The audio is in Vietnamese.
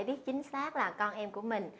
biết chính xác là con em của mình